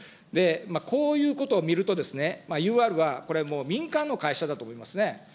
こういうことを見ると、ＵＲは、これもう民間の会社だと思いますね。